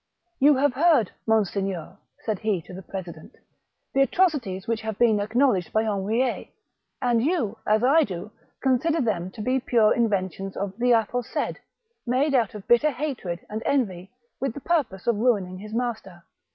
'*You have heard, monseigneur," said he to the president, *' the atrocities which have been acknowledged 224 THE BOOK OF WERE WOLVES. by Henriet, and you, as I do, consider them to be pure inventions of the aforesaid, made out of bitter hatred and envy with the purpose of ruining his master.